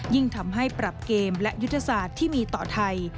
ยิ่งทำให้ปรับเกมและยุทธศาสตร์ที่มีต่อไทย